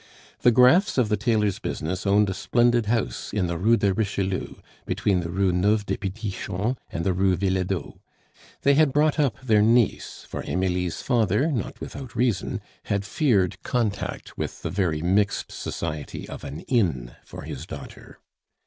The Graffs of the tailor's business owned a splendid house in the Rue de Richelieu, between the Rue Neuve des Petits Champs and the Rue Villedo; they had brought up their niece, for Emilie's father, not without reason, had feared contact with the very mixed society of an inn for his daughter.